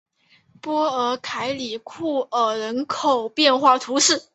波尔凯里库尔人口变化图示